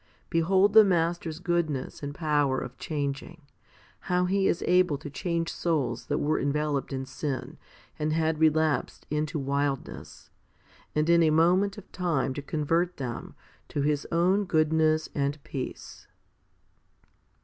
Behold the Master's goodness and power of changing, how He is able to change souls that were enveloped in sin and had relapsed into wildness, and in a moment of time to convert them to His own goodness and peace